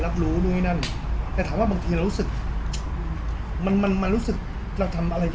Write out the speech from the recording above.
แล้วรู้นู่นไอ้นั่นแต่ถามว่าบางทีรู้สึกมันมันมันรู้สึกจะทำอะไรอยู่